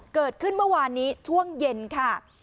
เกิดขึ้นเมื่อวานนี้ช่วงเย็นค่ะ